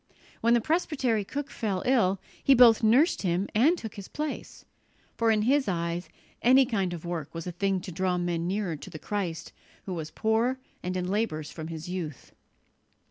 When the presbytery cook fell ill, he both nursed him and took his place; for in his eyes any kind of work was a thing to draw men nearer to the Christ who was "poor and in labours from His youth."